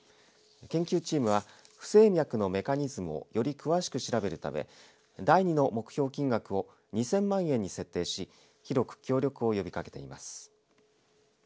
研究チームは不整脈の発生メカニズムをより詳しく調べるため第２の目標金額を２０００万円に設定し広く協力を呼びかけています。